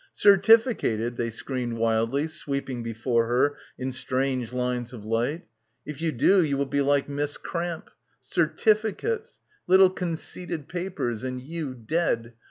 "Certificated?" they screamed wildly sweeping before her in strange lines of light. "If you do you will be like Miss Cramp. Certificates — little conceited papers, and you dead.